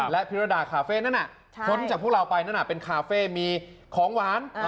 และพิรดาคาเฟ่นั้นพ้นจากพวกเราไปนั่นเป็นคาเฟ่มีของหวาน